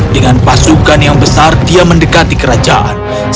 dengan pasukan yang besar dia mendekati kerajaan